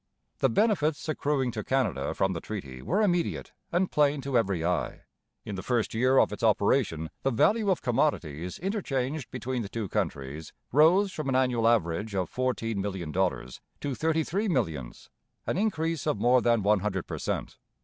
The benefits accruing to Canada from the treaty were immediate and plain to every eye. In the first year of its operation the value of commodities interchanged between the two countries rose from an annual average of fourteen million dollars to thirty three millions, an increase of more than one hundred per cent.